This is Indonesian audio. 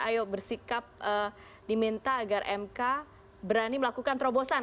ayo bersikap diminta agar mk berani melakukan terobosan